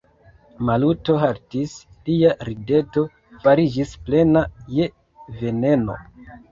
Maluto haltis, lia rideto fariĝis plena je veneno.